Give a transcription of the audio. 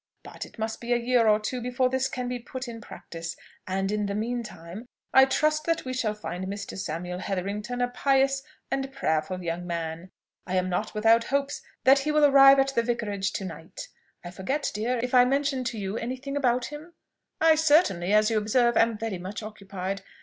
But it must be a year or two before this can be put in practice; and, in the mean time, I trust that we shall find Mr. Samuel Hetherington a pious and prayerful young man. I am not without hopes that he will arrive at the Vicarage to night. I forget, dear, if I mentioned to you any thing about him? I certainly, as you observe, am very much occupied!